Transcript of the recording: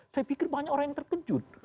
saya pikir banyak orang yang terkejut